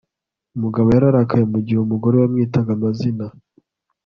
Umugabo yararakaye mugihe umugore we yamwitaga amazina